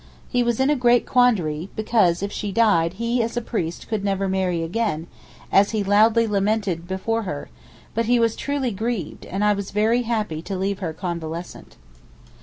He was in a great quandary, because, if she died, he, as a priest, could never marry again, as he loudly lamented before her; but he was truly grieved, and I was very happy to leave her convalescent.